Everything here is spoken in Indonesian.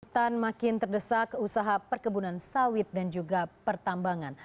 hutan makin terdesak usaha perkebunan sawit dan juga pertambangan